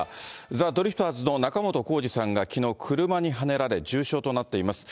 ザ・ドリフターズの仲本工事さんがきのう、車にはねられ重傷となっています。